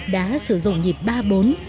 đã sử dụng nhịp ba bốn